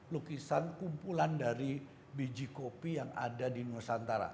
lukisan kumpulan dari biji kopi yang ada di nusantara